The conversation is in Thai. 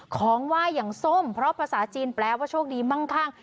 ของไหว้อย่างส้มเพราะภาษาจีนแปลว่าโชคดีมั่งข้าง